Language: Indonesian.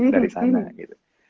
dari sana gitu